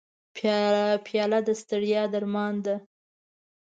پیاله د ستړیا درمان ده.